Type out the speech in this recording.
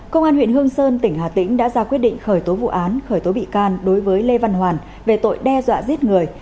công an huyện hương sơn tỉnh hà tĩnh đã ra quyết định khởi tố vụ án khởi tố bị can đối với lê văn hoàn về tội đe dọa giết người